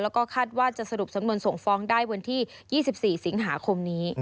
แล้วก็คาดว่าจะสรุปสำนวนส่งฟ้องได้วันที่๒๔สิงหาคมนี้